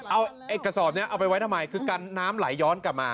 เอาไอ้กระสอบนี้เอาไปไว้ทำไมคือกันน้ำไหลย้อนกลับมา